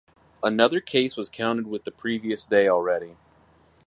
Another case was counted with the previous day already.